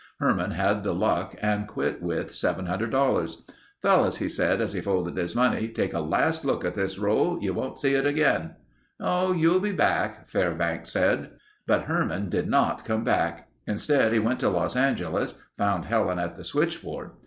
Herman had the luck and quit with $700. "Fellows," he said as he folded his money, "take a last look at this roll. You won't see it again." "Oh, you'll be back," Fairbanks said. But Herman didn't come back. Instead he went to Los Angeles, found Helen at the switchboard.